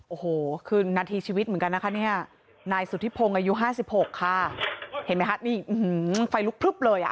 โอ้โหคืนนาทีชีวิตเหมือนกันนะคะเนี่ยนายสุธิพงศ์อายุห้าสิบหกค่ะเห็นไหมคะนี่ไฟลุกพลึบเลยอ่ะ